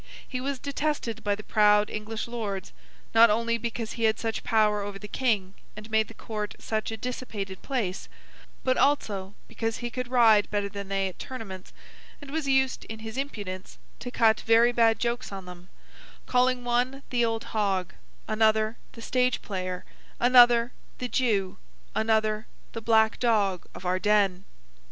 He was detested by the proud English Lords: not only because he had such power over the King, and made the Court such a dissipated place, but, also, because he could ride better than they at tournaments, and was used, in his impudence, to cut very bad jokes on them; calling one, the old hog; another, the stage player; another, the Jew; another, the black dog of Ardenne.